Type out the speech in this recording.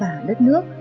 là một trách nhiệm